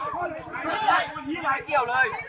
หล่อหล่อหล่อหล่อหล่อหล่อหล่อหล่อหล่อ